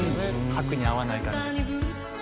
拍に合わない感じ」